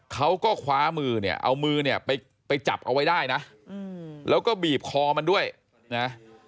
เขาก็คว้ามือเนี่ยเอามือเนี่ยไปจับเอาไว้ได้นะแล้วก็บีบคอมันด้วยนะ